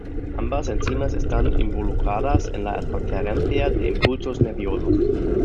Ambas enzimas están involucradas en la transferencia de impulsos nerviosos.